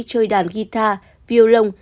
chơi đàn guitar violon